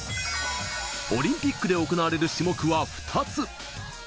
オリンピックで行われる種目は２つ。